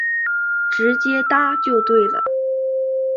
直接搭就对了